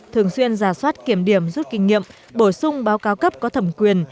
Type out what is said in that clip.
thường xuyên giả soát kiểm điểm rút kinh nghiệm bổ sung báo cáo cấp có thẩm quyền